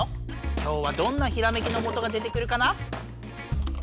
今日はどんなひらめきのもとが出てくるかな？